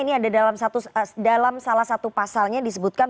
ini ada dalam salah satu pasalnya disebutkan